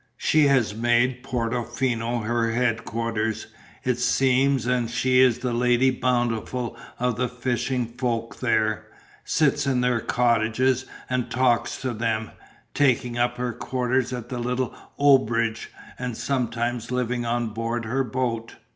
"She has made Portofino her headquarters, it seems, and she is the lady bountiful of the fishing folk there, sits in their cottages and talks to them, taking up her quarters at the little auberge and sometimes living on board her boat.